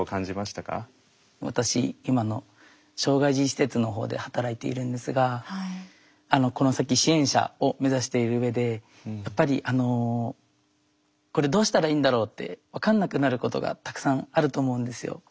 私今の障害児施設のほうで働いているんですがこの先支援者を目指している上でやっぱりこれどうしたらいいんだろうって分かんなくなることがたくさんあると思うんですよ。